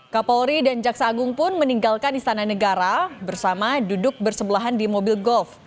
kapolri dan jaksa agung pun meninggalkan istana negara bersama duduk bersebelahan di mobil golf